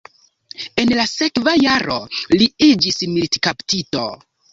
En la sekva jaro li iĝis militkaptito.